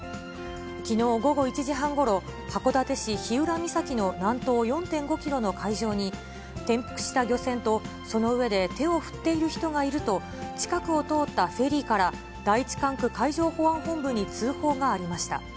きのう午後１時半ごろ、函館市日浦岬の南東４．５キロの海上に、転覆した漁船と、その上で手を振っている人がいると、近くを通ったフェリーから第１管区海上保安本部に通報がありました。